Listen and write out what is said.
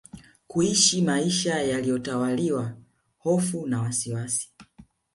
kuishi maisha yaliyo tawaliwa hofu na wasiwasi